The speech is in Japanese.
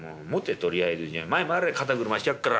とりあえずじゃあ前回れ肩車してやっから。